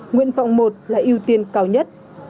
nguyên vọng một là ưu tiên cao nhất